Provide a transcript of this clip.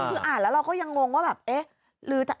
คืออ่าเราก็ยังงงว่าแบบ